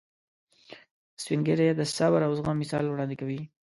سپین ږیری د صبر او زغم مثال وړاندې کوي